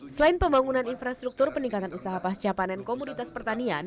selain pembangunan infrastruktur peningkatan usaha pascapanen komoditas pertanian